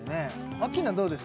アッキーナどうです？